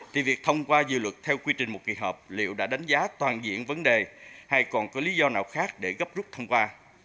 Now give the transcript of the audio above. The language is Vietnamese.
thì việc thông qua dự luật theo quy trình một kỳ họp liệu đã đánh giá toàn diện vấn đề hay còn có lý do nào khác để gấp rút thông qua